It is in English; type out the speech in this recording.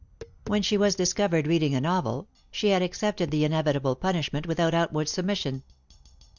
When she was discovered reading a novel, she had accepted the inevitable punishment with outward submission.